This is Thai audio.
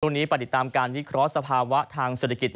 ไปติดตามการวิเคราะห์สภาวะทางเศรษฐกิจ